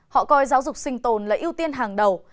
họ coi giáo dục sinh tồn là ưu tiên hàng đầu